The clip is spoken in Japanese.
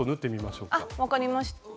あっ分かりました。